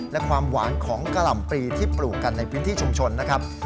และความหวานของกะหล่ำปลีที่ปลูกกันในพื้นที่ชุมชนนะครับ